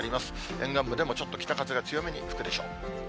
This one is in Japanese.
沿岸部でもちょっと北風が強めに吹くでしょう。